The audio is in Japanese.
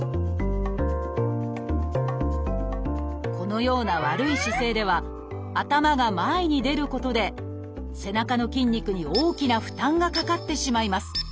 このような悪い姿勢では頭が前に出ることで背中の筋肉に大きな負担がかかってしまいます。